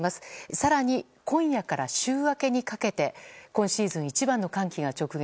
更に、今夜から週明けにかけて今シーズン一番の寒気が直撃。